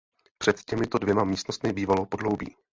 Před těmito dvěma místnostmi bývalo podloubí.